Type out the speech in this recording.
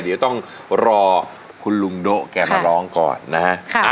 เดี๋ยวต้องรอคุณลุงโด๊ะแกมาร้องก่อนนะฮะ